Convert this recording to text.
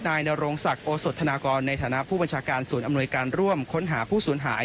นโรงศักดิ์โอสธนากรในฐานะผู้บัญชาการศูนย์อำนวยการร่วมค้นหาผู้สูญหาย